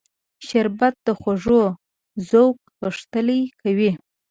شربت د خوږو ذوق غښتلی کوي